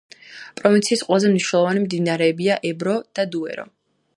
პროვინციის ყველაზე მნიშვნელოვანი მდინარეებია ებრო და დუერო.